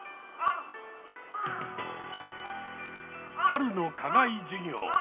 春の課外授業！